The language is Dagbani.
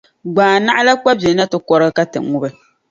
gbaai naɣila’ kpabili na ti kɔrigi ka ti ŋubi.